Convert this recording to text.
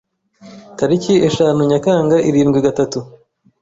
Tariki eshanu Nyakanga irindwi gatatu